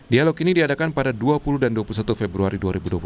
dialog ini diadakan pada dua puluh dan dua puluh satu februari dua ribu dua puluh